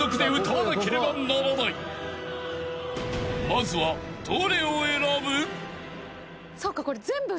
［まずはどれを選ぶ？］